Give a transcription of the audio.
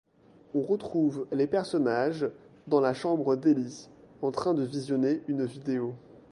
On retrouve les personnages dans la chambre d'Eli en train de visionner une vidéo.